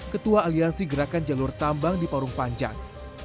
ketua aliansi gerakan jalur tambang di parung panjang